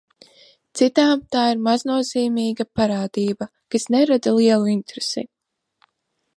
Citām tā ir maznozīmīga parādība, kas nerada lielu interesi.